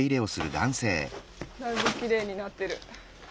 だいぶきれいになってる。